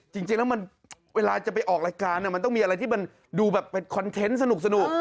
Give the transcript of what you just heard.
จริงแล้วมันเวลาจะไปออกรายการมันต้องมีอะไรที่มันดูแบบเป็นคอนเทนต์สนุก